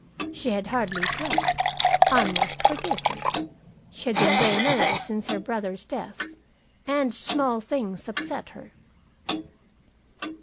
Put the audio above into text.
She had hardly slept. I must forgive her. She had been very nervous since her brother's death, and small things upset her.